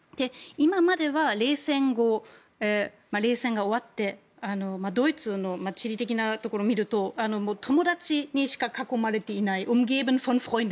今までは冷戦が終わってドイツの地理的なところを見ると友達にしか囲まれていない。